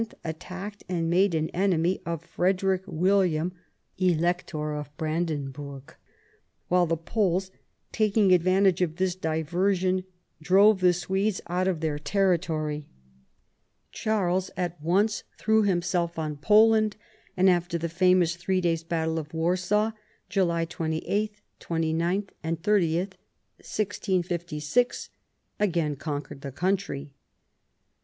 attacked and made an enemy of Frederick William, Elector of Brandenburg ; while the Poles, taking advantage of this diversion, drove the Swedes out of their territory. Charles at once threw himself on Poland, and after the famous three days' battle of Warsaw (July 28, 29, 30, 1656), again conquered the country.